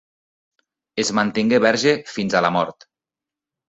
Es mantingué verge fins a la mort.